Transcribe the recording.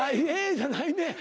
じゃないねん。